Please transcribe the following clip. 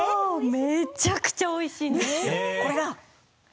めちゃくちゃおいしいんです。